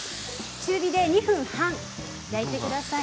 中火で２分半、焼いてください。